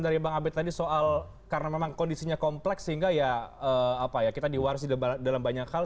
dari bang abed tadi soal karena memang kondisinya kompleks sehingga ya apa ya kita diwarisi dalam banyak hal